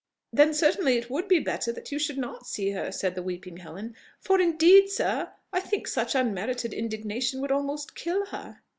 "Then certainly it would be better that you should not see her," said the weeping Helen: "for indeed, sir, I think such unmerited indignation would almost kill her."